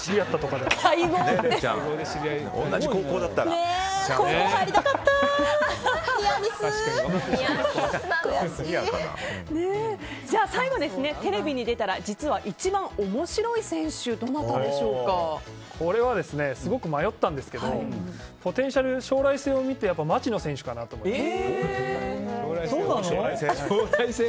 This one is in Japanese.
では最後、テレビに出たら実は一番面白い選手はこれはすごく迷ったんですけどポテンシャル、将来性を見て町野選手かなと思います。